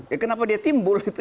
ya kenapa dia timbul gitu